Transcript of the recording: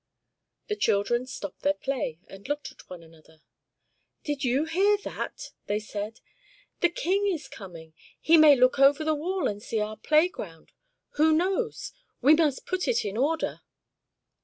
The children stopped their play, and looked at one another. "Did you hear that?" they said. "The King is coming. He may look over the wall and see our playground; who knows? We must put it in order."